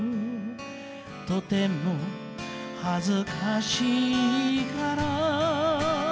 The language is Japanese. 「とてもはずかしいから」